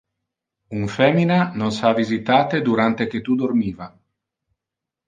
Un femina nos ha visitate durante que tu dormiva.